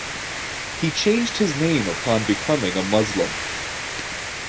He changed his name upon becoming a Muslim.